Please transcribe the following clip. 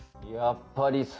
やっぱり